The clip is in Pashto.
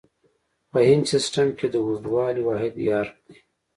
په انچ سیسټم کې د اوږدوالي واحد یارډ دی.